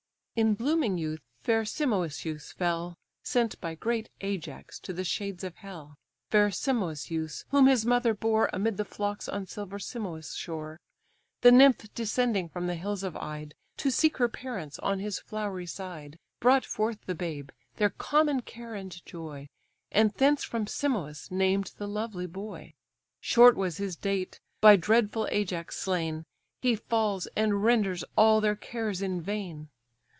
In blooming youth fair Simoisius fell, Sent by great Ajax to the shades of hell; Fair Simoisius, whom his mother bore Amid the flocks on silver Simois' shore: The nymph descending from the hills of Ide, To seek her parents on his flowery side, Brought forth the babe, their common care and joy, And thence from Simois named the lovely boy. Short was his date! by dreadful Ajax slain, He falls, and renders all their cares in vain!